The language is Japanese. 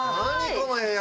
この部屋！